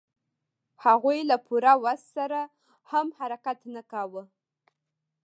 هغوی له پوره وس سره هم حرکت نه کاوه.